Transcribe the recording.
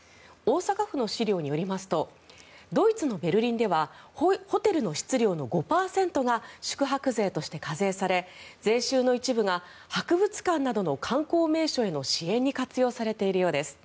大阪市の資料によりますとドイツのベルリンではホテルの室料の５％が宿泊税として課税され税収の一部が博物館などの観光名所の支援に活用されているようです。